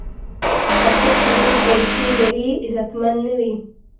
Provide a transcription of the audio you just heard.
هر څوک چې ډېرې پیسې لري، عزتمن نه وي.